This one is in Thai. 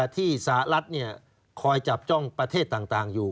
ที่สหรัฐคอยจับจ้องประเทศต่างอยู่